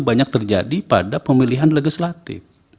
banyak terjadi pada pemilihan legislatif